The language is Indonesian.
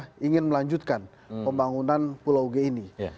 pemerintah ingin melanjutkan pembangunan pulau uge ini